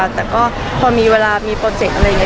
แต่ก็พอมีเวลามีโปรเจกต์อะไรอย่างนี้